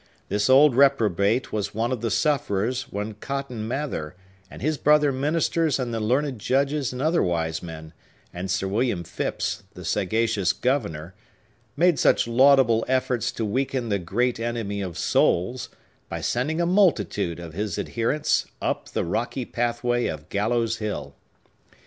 This old reprobate was one of the sufferers when Cotton Mather, and his brother ministers, and the learned judges, and other wise men, and Sir William Phipps, the sagacious governor, made such laudable efforts to weaken the great enemy of souls, by sending a multitude of his adherents up the rocky pathway of Gallows Hill.